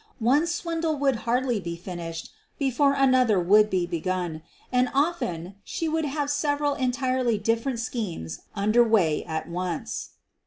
One swindle would hardly be finished before another would be begun, and often she would have several entirely different schemes under way at once.